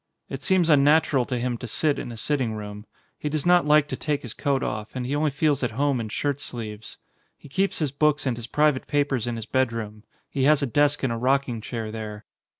It seems unnatural to him to sit in a sitting room ; he does not like to take his coat off, and he only feels at home in shirt sleeves. He keeps his books and his private papers in his bedroom; he has a desk and a rocking chair there.